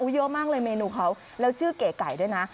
เยอะมากเลยเมนูเขาแล้วชื่อเก๋ไก่ด้วยนะ